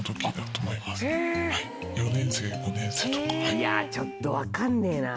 いやちょっと分かんねえな。